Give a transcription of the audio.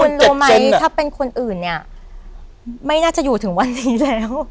คุณรู้ไหมถ้าเป็นคนอื่นเนี่ยไม่น่าจะอยู่ถึงวันนี้แล้ว